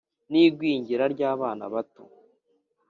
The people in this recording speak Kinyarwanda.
n’igwingira ry’abana bato,